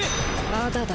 まだだ。